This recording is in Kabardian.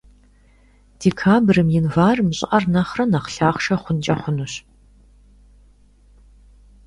Декабрым — январым щӀыӀэр нэхърэ нэхъ лъахъшэ хъункӀэ хъунущ.